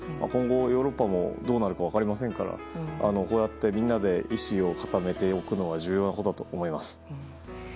今後、ヨーロッパもどうなるか分かりませんからこうやってみんなで意思を固めておくのは重要なことだと思います。